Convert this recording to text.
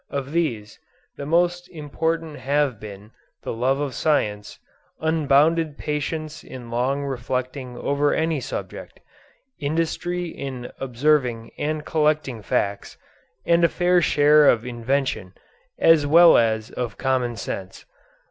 Of these, the most important have been—the love of science—unbounded patience in long reflecting over any subject—industry in observing and collecting facts—and a fair share of invention as well as of common sense.